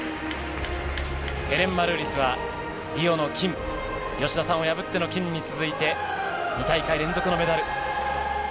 ヘレン・マルーリスはリオの金、吉田さんを破っての金に続いて、２大会連続のメダル。